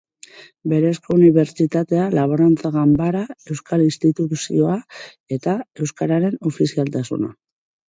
Berezko unibertsitatea, Laborantza Ganbara, Euskal Instituzioa eta euskararen ofizialtasuna.